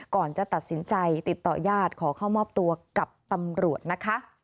ก่อนจะตัดสินใจติดต่อยาดขอเข้ามอบตัวกับตำรวจนะคะ